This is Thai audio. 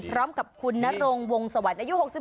พร้อมกับคุณนรงวงสวรรค์อายุ๖๒